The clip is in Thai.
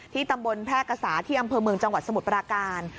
ตำบลแพร่กษาที่อำเภอเมืองจังหวัดสมุทรปราการ